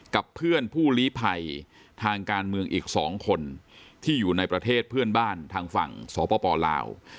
กับเพื่อนผู้ลีภัยทางการเมืองอีก๒คนที่อยู่ในประเทศเพื่อนบ้านทางฝั่งสปลาว